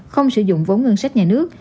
không sử dụng vốn ngân sách nhà nước